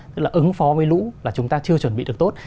tức là ứng phó với lũ là chúng ta chưa chuẩn bị được tốt